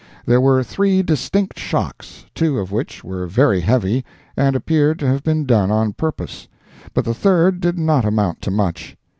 There were three distinct shocks, two of which were very heavy, and appeared to have been done on purpose, but the third did not amount to much.